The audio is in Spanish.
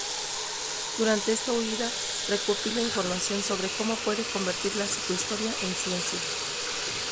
Durante esta huida recopila información sobre cómo puede convertir la psicohistoria en ciencia.